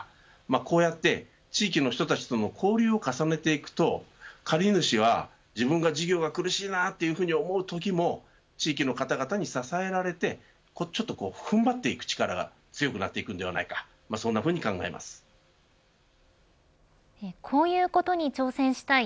こうやって地域の人たちと交流を重ねていくと借主は自分が事業が苦しいなというふうに思うときも地域の方々に支えられてちょっと踏ん張っていく力が強くなるんじゃないかこういうことに挑戦したい